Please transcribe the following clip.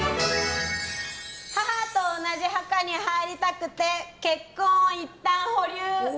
母と同じ墓に入りたくて結婚をいったん保留。